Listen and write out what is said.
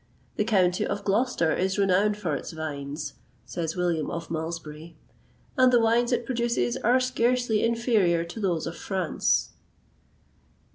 "The county of Gloucester is renowned for its vines," says William of Malmesbury; "and the wines it produces are scarcely inferior to those of France."